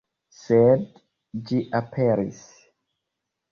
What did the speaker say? Sed ĝi aperis.